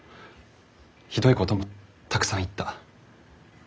ひどいこともたくさん言った。